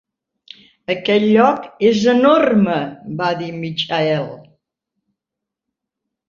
"Aquest lloc és enorme!", va dir en Michael.